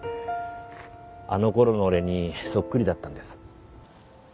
あの頃の俺にそっくりだったんです。